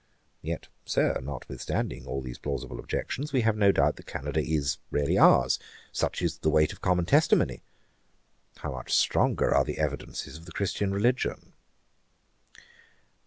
Yet, Sir, notwithstanding all these plausible objections, we have no doubt that Canada is really ours. Such is the weight of common testimony. How much stronger are the evidences of the Christian religion!'